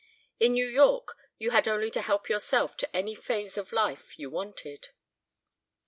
In New York you had only to help yourself to any phase of life you wanted.